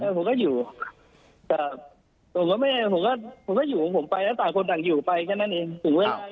ผมก็อยู่แต่ผมก็อยู่ของผมไปแล้วต่างคนต่างอยู่ไปก็นั่นเอง